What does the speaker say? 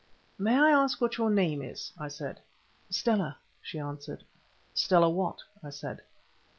"May I ask what your name is?" I said. "Stella," she answered. "Stella what?" I said.